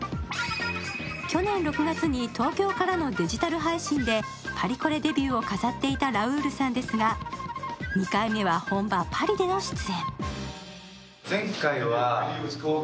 去年６月に東京からのデジタル配信でパリコレデビューを飾っていたラウールさんですが、２回目は本場・パリでの出演。